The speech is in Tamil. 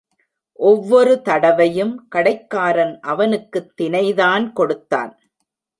ஒவ்வொரு தடவையும் கடைக்காரன் அவனுக்குத் தினைதான் கொடுத்தான்.